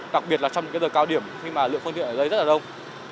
đặc biệt là trong những cái giờ cao điểm khi mà lượng phương tiện ở đây rất là đông